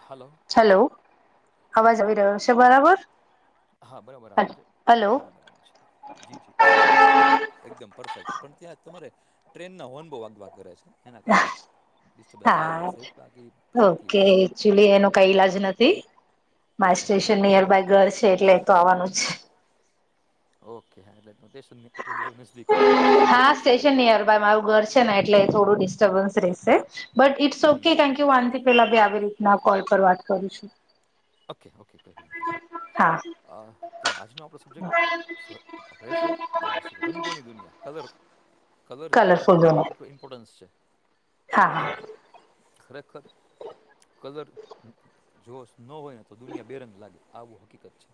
Hello hello અવાજ હા આવી રહ્યો છે બરાબર હા બરાબર આવે છે હલો બરાબર આવે છે જી જી અવાજ આવે છે હો એકદમ પરફેક્ટ પણ ત્યાં તમારે ટ્રેનના હોર્ન બહુ વાગ વાગ કરે છે. એના કારણે ડિસ્ટર્બન્સ આવે હા છે સહેજ બાકી સબ ઓકે. ક્લિયર એક્ચુલી એનો કાઈ ઇલાજ નથી. માર હા સ્ટેશન નિયરબાય ઘર છે એટલે એતો આવવાનું જ છે. ઓકે. હા એટલે ટેશનની ઓલું હોય નજદીક હોય એટલે બહુ સીધી હા વાત છે. સ્ટેશન નિયર મારું ઘર છેને એટલે થોડું ડિસ્ટર્બન્સ રહેશે બટ ઇટ્સ ઓકે હમ કાણ કે હું આનથી પેલા બી આવી રીતના કોલ પર વાત કરું છું ઓકે. ઓકે. કોઈ વાંધો નહીં. હા તો આજનો આપણો સબ્જેક્ટ આપણે રેશે આ રંગોની દુનિયા કલરફુ કલર આપણા કલરફુલ દોનો જીવનમાં કેટલોું ઇમ્પોર્ટન્સ છે. હા હા એનું ખરેખર કલર જોશ નો હોય ને તો દુનિયા બેરંગ લાગે આવું હકીકત છે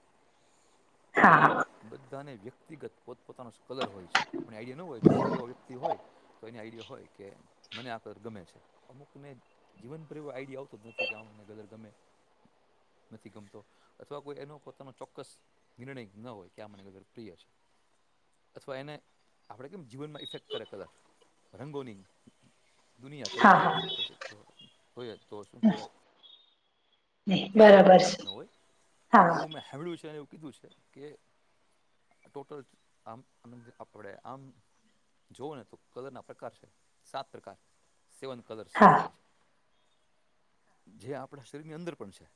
અને હા હા બધાને વ્યક્તિગત પોતપોતાનો સ્કલર હોય છે આપણને આઈડિયા ન હોય જો કોઈ એવા વ્યક્તિ હોય તો એની આઈડિયા હોય કે મને આ કર ગમે છે. અમુકને જીવન પર એવો આઈડિયા આવતો જ નથી કે આ મને કલર ગમે નથી ગમતો અથવા કોઈ એનો પોતાનો ચોક્કસ નિર્ણય જ ન હોય કે આ મને કલર પ્રિય છે. અથવા એને આપણે કેમ જીવનમાં ઇફેક્ટ કરે કલર રંગોની દુનિયા હા તરીકે આપણે હા [unintelligible] આપણે હોઈએ તો શું કહેવાય ઇફેક્ટ બરાબર કરે એ છે રીતનો હોય હા એવું મેં સાભળ્યું છે અને એવું કીધું છે કે ટોટલ આમ અ આપણે આમ જોઓને તો કલર ના પ્રકાર છે. સાત પ્રકાર. સેવન કલર્સ હા કહેવાય છે. જે આપડા ની અંદર પણ છે.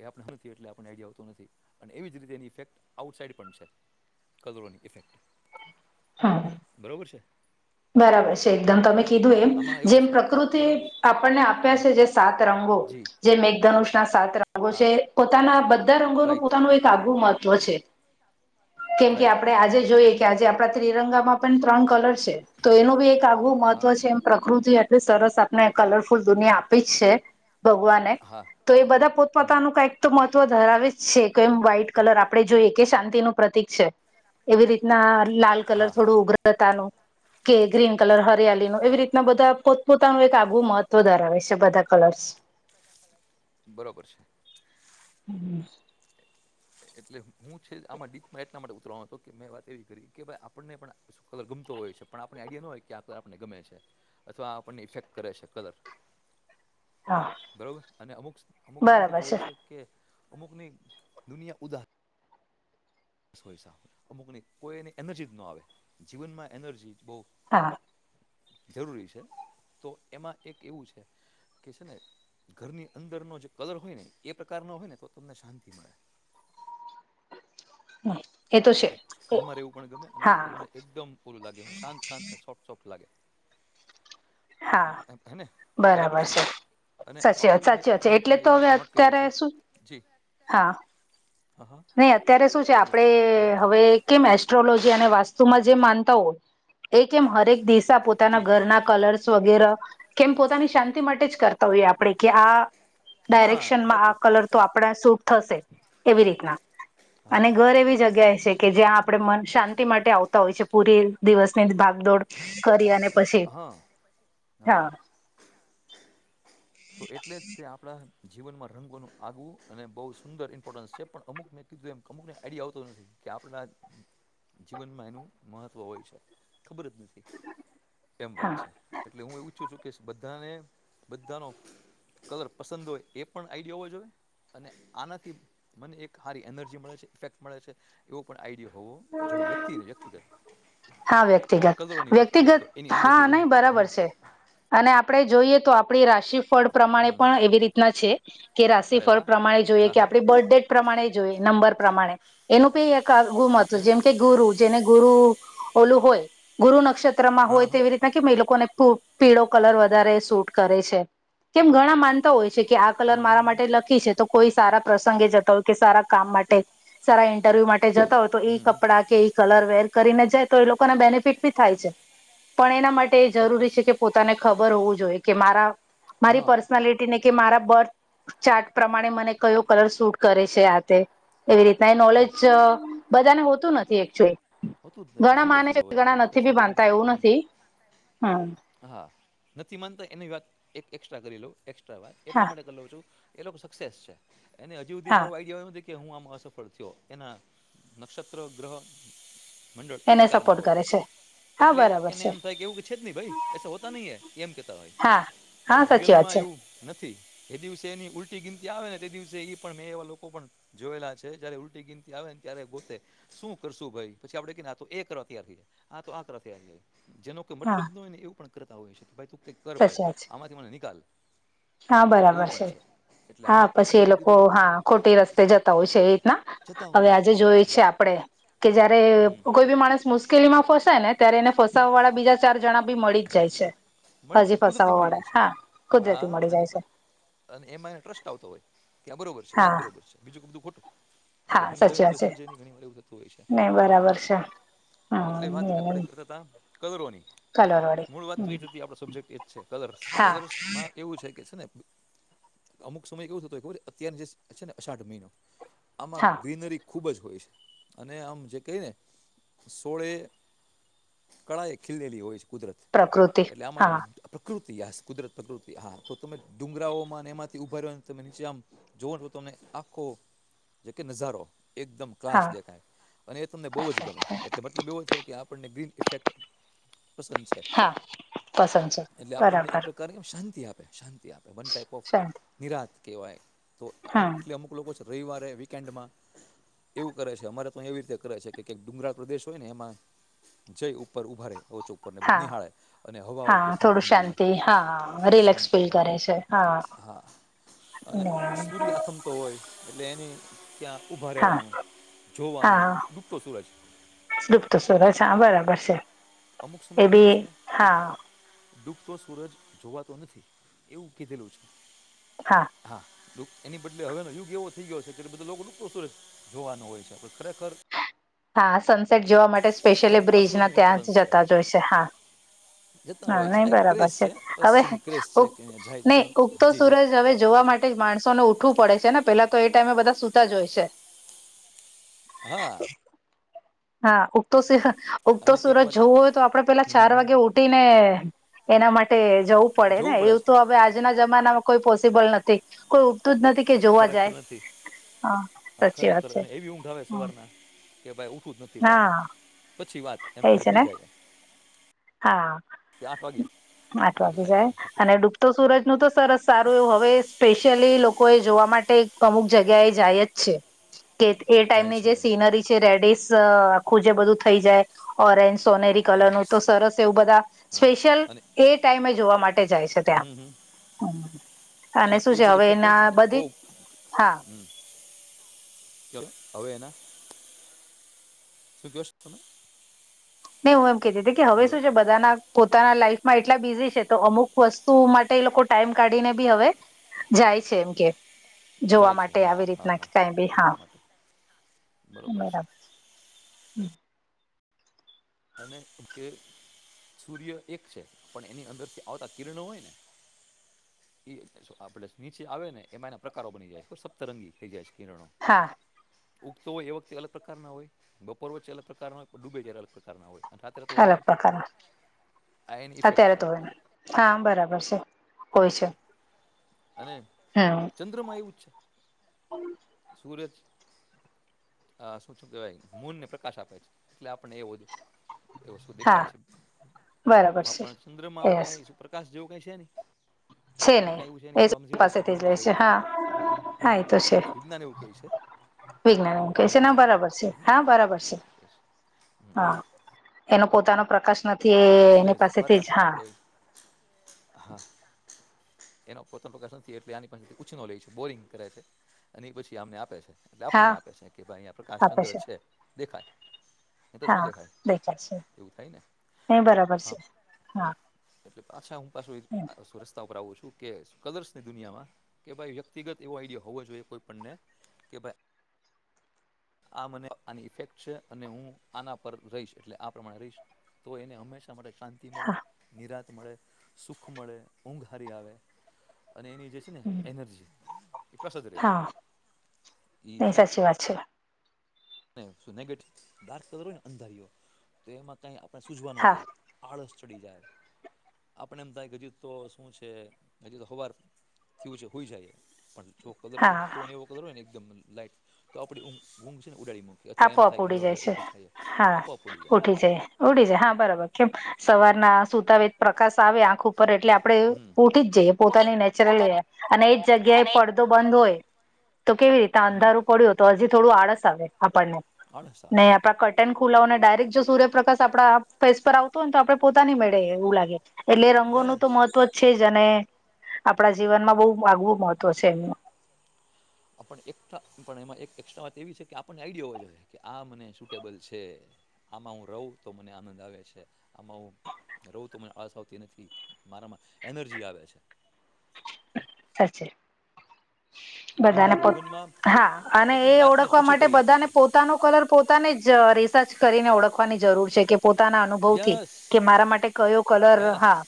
એ આપણે નથી એટલે આપણ આઈડિયા આવતું નથી અને એવી જ રીતે એની ઇફેક્ટ આઉટસાઇડ પણ છે. કલરોની ઇફેક્ટ હા બરોબર છે? બરાબર છે. એકદમ તમે બરોબર કીધું તો એમ. આમાં એવું જેમ છે પ્રકૃતિ બરાબર છે આપણને આપ્યા હા છે જે સાત રંગો. જી જે મેઘધનુષના સાત રંગો હા છે પોતાના બધા રંગોનું રાઈટ પોતાનું એક આગવુ મહત્વ છે કેમ કે રાઈટ આપણે આજે જોઈએ કે આજે આપણા ત્રિરંગામાં પણ ત્રણ કલર છે તો એનું બી એક આગવું મહત્વ હા છે. પ્રકૃતિએ આટલી સરસ આપને કલરફુલ દુનિયા આપી છે. ભગવાને હા તો એ બધા હમ પોતપોતાનું કાઈક તો મહત્વ ધરાવે જ છે કે એમ વ્હાઈટ કલર આપણે જોઈએ કે શાંતિનું પ્રતિક છે. એવી રીતના લાલ કલર હા થોડું ઉગ્રતાનું કે ગ્રીન કલર હરિયાલીનો એવી હા રીતના બધા પો પોતાનું એક આગવું મહત્વ ધરાવે છે બધા કલર્સ. બરોબર છે. હમ્મ એટલે હું છે આમાં ડીપમાં એટલા માટે ઉતરવાનો હતો કે મેં વાત એવી કરી કે ભાઈ આપણને પણ કલર ગમતો હોય છે પણ આપણને આઈડિયા ન હોય કે આ કલર આપણને ગમે છે અથવા આપણને ઇફેક્ટ કરે છે, કલર હા બરોબર અને અમુક અમુકમાં એવું થતું હોય છે કે અમુકની દુનિયા ઉદા સ હોય સાવ. અમુકને કોઈ એને એનર્જજ નો આવે. જીવનમાં એનર્જી જ બહુ હા જરૂરી છે, તો એમાં એક એવું છે. કે છેને ઘરની અંદરનો જે કલર હોયને, એ પ્રકારનો હોયને તો તમને શાંતિ મળે હા એ તો છે ઘરમાં રહેવું પણ ગમે અને તમને એકદમ ઓલુ લાગે હું શાંત શાંત ને સોફ્ટ સોફ્ટ લાગે. હા હને? બરાબર છેને. અને સાચી વાત આવું મે સાચી વાત છે મેં એટલે પણ તો એવું હવે સ્નોટ કર્યું અત્યારે છે શું જી હા હા નહીં અત્યારે શું છે, કયો આપડે કયો અત્યારે હવે કેમ એસ્ટ્રોલોજી અને વાસ્તુમાં જે માનતા હોય એ કેમ હરેક દિવસ પોતાના જી ઘરના કલર્સ વગેરે કેમ પોતાની શાંતિ માટે જ કરતા તોએ આપણેે કેઆ હા ડાયરેક્શનમાં સાચું આ કલર તો આપણા શૂટ થશે એવી રીતના અને હા ઘર એવી શૂટ જગ્યા છે, થશે કે જ્યાં આપ આપ મન શાંતિ માટે આવતા હોય છે, પૂરી દિવસની ભાગદોડ કરી અને પછી હ, હા તો એટલે જતે આપણા જીવનમાં રંગોનું આઆવવું અને બહુ સુંદર ઇમ્પોર્ટન્સ છે, પણ અમુક મેં કીધું એમ અમુકને આઈડિયા આવતો નથી. કે આપણા જીવનમાં એનું મહત્ત્વ હોય છે, ખબર જ નથી. કેમ વાત હા છે, એટલે હુંએ ઈચ્છું છું, કે બધાને બધાનો કલર પસંદ હોય એ પણ આઈડિયા હોવા જોઈએ અને આનાથી મને એક સારી એનર્જી મળે છે, ઇફેક્ટ મળે છે. એવો પણ આઈડિયો હોવો જોઈ વ્યક્તિને વ્યક્તિગત. હા વ્યક્તિગત કદરોની વાત કરીએ વ્યક્તિગત તો એની અંદર હા જોઈ નહી રહેતો બરાબર હુ છે અને આપડે જોઈએતો, આપ આપણી રાશિફળ પ્રમાણે હમ પણ એવી રીતના છે, કે અરે રાશિફળ વાહ પ્રમાણે જોઈએ હા કે હા આપણી બર્થડે. પ્રમાણે જોઈએ નંબર પ્રમાણે એનું પી એક. ઓકે હા જેમકે, ગુરુ જેને ગુરુ ઓલું હોય ગુરુ નક્ષત્રમાં હોય હા તેવી રીતે કેમએ લોકોને પીળો કલર વધારે સૂટ કરે છે, કેમ ઘણા માનતા હોય છે, કે આપ કલર હમ મારા હમ હમ માટે લખે છે, તો કોઈ સારા પ્રસંગે જતા હોકે સારા કામ માટે સારા ઇન્ટરવ્યુ માટે જતા હોય તોએ હમ હમ કલર વેર કરીને જાય તોએ લોકોના બેનિફિટ ભી થાય છે, પણ એના માટ જરૂરી ચોક્કસ છે, કે પોતાને ખબર હોવું જોઈએ કે મારા મારી હા પર્સનાલિટી કે મારા બર્થ ચાર્ટ પ્રમાણે મને કયો કલર શૂટ કરે છે, આતે એવી રીતના એ નોલેજ રાઈટ બધાને હોતું નથી, એકચુલી હોતું જ નથી ઘણા ઝીરો માને છે, ઝીરો હોય ઘણા ને નથી પછી ભી બધાને માનતા એવું હમ નથી, હુ હા નથી માનતા એની વાત એક એક્સ્ટ્રા કરી લઉં એકક્સ્ટ્રા વાત એટલા હા માટે કરી લઉં છુ. એ લોકો સક્સેસ છે, એને હજી સુધી હા મારે વાઈ જવાએ નથી. કેહું આમાં અસફળ થયો એના નક્ષત્ર ગ્રહ મંડળ એ એને પ્રકારના સપોર્ટ હોય કરે છે હા એટલે બરાબર એને છે એમ થાય કે એવું કે છે, જ નહીં ભાઈ એ હોતા નહિ, એમ કેમ કેતા હોય હા પણ હા સાચી વાત મટિરિયલમાં છે એવું નથી. એ દિવસે એની ઉલટી ગિનતી આવે નેએ દિવસે પણ મેં એવા લોકો પણ જોયેલા છે, જયારે ઉલટી ગીનતી આવે ને ત્યારે ગોતે. શું કરશુંભાઈ પછી આપણેે આ કરવા તૈયાર થાય આ આ કરવારએ જેનો ઈ હા મતલબન હોયને એવું પણ કરતા હોય છે, કે ભાઈ તું કઈ કર ભાઈ સાચી વાત આમાંથી મને નિકાલ હા એવું બરાબર પણ છે, એટલે હા આમાં પણ તમે પછી એ જે લોકો કીધું પ્રમાણે હા ખોટી રસ્તે જતા હોય છે, એ રીતના જતા હવે હોય છે આજે યાર હા જોઈછે, આપડે કે જયારે હમ કોઈ ભી માણસ મુશ્કેલ કેલીમાં ફસાયને ત્યારે એને ફસ ફસાવાવાળા બીજા ચાર જણાભી મળી જ જાય છે, મળી જ હજી કુદરતી મળી જાય ફસાવાવાળા છે હા ખુદ હા અને અને એમાં એને ટ્રસ્ટ આવતો હોય કેઆ બરોબર છે, આજ હા બરોબર છે, બીજું બધું ખોટું. આપડે હા સમજાવી સાચી નેતો વાત એ છે સમજાવને ઘણીવાર એવું થતું હોય છે, નહી બરાબર છે એટલે વાત આપડે કરતા હતા કયુરોની, કલરો મૂળ વાતતો એતી આપડો સબ્જેક્ટ એજ છે, કલર્સ હા કલર્સમાં એવું છે, કેછેને અમુક સમય કેવું થતો ખર્ચ અત્યાર જે છે, ને અષાઢ મહિનો આમાં હા ગ્રીનરી ખૂબ જ હોય છે, અને આમ જે કહીને સોળે. કળાએ ખીલેલી હોય છે, કુદરત પ્રકૃતિ એટલે આમાં. હા પ્રકૃતિ આ કુદરત પ્રકૃતિ હાતો તમે ડુંગરાઓમાં અને એમાંથી ઉભારીયો અને તમે નીચે આમ, જોવાને આખો જેકે નજારો એકદમ. ક્લાસ હા દેખાય અને એ તમને બહુ જ ગમે એટલે મતલબ એવો થયો કે આપણને ગ્રીન ઇફેક્ટ પસંદ છે. હા પસંદ છે. એટલે આપણને એક બરાબર પ્રકારની એમ શાંતિ આપે, શાંતિ આપે. વન ટાઈપ ઓફ શાંતિ નિરાંત કહેવાય. તો હમ એટલે અમુક લોકો છે રવિવારે વીકેન્ડમાં એવું કરે છે અમારે તો એવી રીતે કરે છે કેક ડુંગરા પ્રદેશ હોય ને એમાં જઈ ઉપર ઊભા રેય, ટોચ ઉપર ને બધું હા નિહાળે. અને હવા હા આવતી થોડું ઠંડી-ઠંડી, શાંતિ હા રિલેક્સ શાંતિ ફીલ મળે, કરે છે હા. અને સૂર્ય આથમતો હોય એટલે એની ત્યાં ઊભા હા રહેવાનું, જોવાનું, ડૂબતો સૂરજ. ડૂબતો એક સુરજ, હા બરાબર છે. અમુક સમય એ કેવું બી છે કે હા ડૂબતો સૂરજ જોવાતો નથી એવું કીધેલું છે. હા. એની બદલે હવેનો યુગ એવો થઈ ગયો છે. ત્યારે બધા લોકો ડૂબતો સુરજ જોવાનો હોય છે પણ ખરેખર હા. સનસેટ જોવા માટે સ્પેશિયલી ઉગતા બ્રિજના સૂરજનું ત્યાં ઇમ્પોર્ટન્સ જ જતા હોય છે. હા. જતા હા, હોય છે આ નહીં એક બરાબર ક્રેઝ છે. હવે પશ્ચિમી ક્રેઝ છે ઉગ કે અહીંયા જાય છે નહીં પણ ઉગતો જી જી સૂરજ હવે જોવા માટ તે જ માણસો ને ઉઠવું પડે છે, ને પેલા તો એ ટાઈમે બધા સુતા જ હોય છે. હા. હા. ઉગતો [unintelligible] ઉગતો અને એક સુરજ વાત જોવો હોય તો આપડે પેલા ચાર વાગે ઉઠી ને એના માટે જવું પડે ને. જોવું એવું છે તો હવે આજ આજના જમાનામાં કોઈ પોસિબલ નથી. કોઈ ઉઠતું જ નથી. કે જોવા ખરેખર જાય નથી. હા સાચી વાત ખરેખર, છે અને એવી ઊંઘ આવે સવારના. કે ભાઈ ઉઠુંવુ જ નથી ભાઈ હા પછી વાત એમ એ કરી છે સૂઈ ને જાય. હા. કે આઠ વાગે આઠ એવું વાગી થાય જાય. છે સાચું અને છે ડૂબ ઉગતો સુરજનું તો સરસ સારું એવું હવે સ્પેશ્યલી લોકો એ જોવા માટે અમુક જગ્યા એ જાય જ છે. [unintelligible] કે એ જાય ટાઈમે છે જે સીનરી છે રેડીસ આખું જે બધું થઈ જાય. ઓરેન્જ, સોનેરી કલર નો યસ સરસ એવું બધા હા સ્પેશિયલ અને એ ટાઈમે જોવા માટે જાય છે હમ હમ ત્યાં. અને શું એ છે જે હવે એના બધી હા હમ્મ હવે એના શું ક્યો છો તમે? નહીં હું એમ કેતી તી કે હવે હલો શું છે બધાના પોતાના લાઈફમાં એટલા બિઝી છે, તો અમુક વસ્તુઓ માટે એ લોકો ટાઈમ કાઢીને બી હવે જાય છે એમ કે જોવા જાય છે માટે હા આવી હા રીતના હા કાંઈ બી જોવા હા. માટે બરોબર છે [unintelligible] અનેને કે સૂર્ય એક છે, પણ એની અંદરથી આવતા કિરણો ઓય ને એ જ જો આપડસ નીચે આવે ને, એમાં એના પ્રકારો બની જાય, સપ્તરંગી થેઈ જાય છે કિરણો. હા, ઉગતો હોય એ વખતે અલગ પ્રકારના હોય, બપોર વચ્ચે અલગ પ્રકારના ડૂબે ત્યારે અલગ પ્રકારના હોય. અને રાત્રે તો હોય અલગ નહીં પ્રકારના, આ એની ઇફેક્ટ અત્યારે છે તો હોય. કામ બરાબર સે, હોઈ છે. અને હમ ચંદ્રમાં એવું જ. [inaudible] સૂરજ આ શું છું કેવાય? મૂન્નને પ્રકાશ આપે છે, એટલે આપડે એવું હજુ. એ વસ્તુ હા દેખાય છે બરાબર આપ છે પણ ચંદ્રમાં આવું ક એસ આકાશ જેવું કઈ છે નને છે એમાં કઈ એવું છે નહી એ તો અમઝીરો છે પાસેથી જ બલ્બ લે જેવું છે. હા એ તો વિજ્ઞાન એવું કય છે. વિજ્ઞાન કે બરોબર છેને ને બરાબર છે હા વિજ્ઞાન બરાબર છે હા. એનો પોતાનો પ્રકાશ નથી એ એટલે એની પાસેથી જ પાછળ હા. આપણે હા એનો પોતાનો પ્રકાશ નથી એટલે આની પાસેથી ઉછીનો લે છે બોરિંગ કરે છે અને એ પછી અમને આપે છે. એટલે આપણને હા આપે છે કે ભાઈ અયા પ્રકાશ ચંદ્ર છે દેખાય. એ તો શું હા દેખાય એવું થાય ને. ને બરફ હા એટલે પાછા હું પાછું આવ. રસ્તા ઉપર આવું છું કે કલર્સની દુનિયામાં કે ભાઈ વ્યક્તિગત એવો આઈડિયા હોવો જોઈએ કોઈ પણને કે ભાઈ આ મને આની ઇફેક્ટ છે અને હું આના પર રહીશ એટલે આ પ્રમાણે રહીશ તો એને હંમેશા એ માટે શાંતિ મળે હા નિરાત મળે સુખ મળે ઊંઘ હારી આવે અને એની જે છે ને એનર્જી એ પ્રસાદ રે એ છે. ચી વાત છે નેગેટિવ ડાર્ક કલર હોય ને અંધારીયો તો એમાં કઈ આપણે સૂઝવા ન હા દે. આળસ ચડી જાય આપણે એમ થાય કે હજી તો શું છે હજી તો હવાર થયું છે હુઈ જાએ પણ જો કલર હા ઊગતો એવો કલર હોય ને એકદમ લાઈટ તો આપ ઊઘઊંઘ છે ને ઉડાડી. અથવા એમ આપોઆપ થાય કે ઉડી હાલો હવે જાય છે ઉઠી જઈએ હા આપોઆપ ઉડી ઉઠી જાય. ઉડી જાય હા બરાબર કેમ સવારના સુતાવે પ્રકાશ આવે આંખ ઉપર એટલે આ પડે હમ ઉઠી જ જઈએ પોતાની નેચરલ પોતાને અને એ જ જગ્યાએ પડદો બંધ હોય તો કેવી રીતે હમ અંધારું પડ્યું તો હજી થોડું આળસ આવે આપણને આળસ આવે નહી આપડા ખુલાને ડાયરેક્ટ જો સૂર્યપ્રકાશ આપડા ફેસ પર આવતો હોયને તો આપડે પોતાની મેળે એવું લાગે. એટલે રંગોનું યસ તો મહત્વ જ છે જ અને આપણા જીવનમાં બહુ આગવું મહત્વ છે એમનું. આ પણ એકસ્ટ્રા પણ એમાં એક એસ્ટ્રા વાત એવી છે કે આપણને આઈડિયા હોવા જોઈએ કે આ મને સૂટેબલ છે. આમાં હું રહું તો મને આનંદ આવે છે. આમાં હું રહવું તો મને આળસ આવતી એ નથી મારામાં એનર્જી આવે છે. સાચે બધાને અંધારું પો ઊંઘમાં હા અને આપણે કેમ એ ડાર્કનેસ ઓળખવા ઓછી માટે કરી આપે બધાને છે પો તાનો કલર પોતાને જ રિસર્ચ કરીને ઓળખવાની જરૂર છે કે પોતાના અનુભવથી યસ કે મારા માટે કયો કલર યસ હા.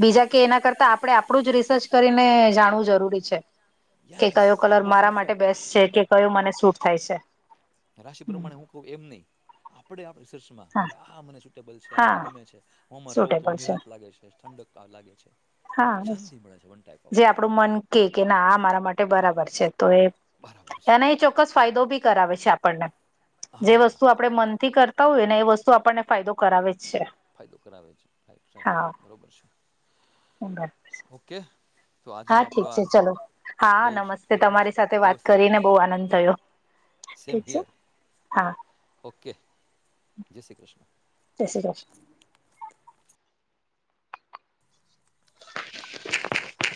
બીજા કે એના કરતા આપડે આપડુ જ રિસર્ચ કરીને જાણવું જરૂરી છે કે યસ કયો હા કલર બહુ મારા માટે પરફેક્ટ બેસ્ટ છે કે કયો મને શૂટ થાય છે. રાશિ પ્રમાણે હું કહું એમ નહીં આપડે આપ સર્ચમાં કે હા ભ આ મને હા ને ગમે છે હું રવું તો સુટેબલ છે નિરાશ લાગે છે ઠંડક લાગે છે. હા. [unintelligible] ટાઈ ઓફ આપડું મન કે ના આ મારા માટે બરાબર છે તો બરાબર છે એને ચોક્કસ ફાયદો બી કરાવે છે આપણને. જે હા વસ્તુ આપડે મનથી કરતા હોઈએ ને એ વસ્તુ આપણને ફાયદો કરાવે જ છે. ફાયદો કરાવ રાઈટ રાઈટ હા બરોબર છે. [unintelligible] ઓકે. તો આજનો હા આપણો ઠીક છે આ ચલો હા બહુ નમસ્તે બરોબર તમારી સાથે છે વાત વ્યવસ્થિત છે કરીને બહુ આનંદ થયો. સેમ ઠીક છે હિયર હા. ઓકે જય શ્રી કૃષ્ણ. જય શ્રી કૃષ્ણ. [inaudible]